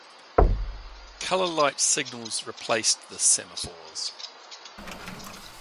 Colour light signals replaced the semaphores.